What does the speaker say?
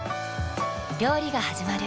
料理がはじまる。